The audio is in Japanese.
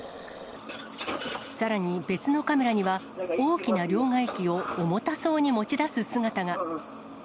さらに別のカメラには、大きな両替機を重たそうに持ち出す姿が。